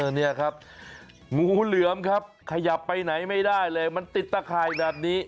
นี่ครับงูเหลือมครับขยับไปไหนไม่ได้เลยมันติดตะข่ายแบบนี้